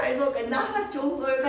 ならちょうどよかった。